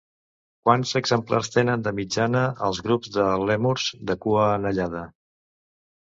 Quants exemplars tenen de mitjana els grups de lèmurs de cua anellada?